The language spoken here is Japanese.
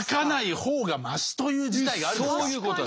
そういうことです。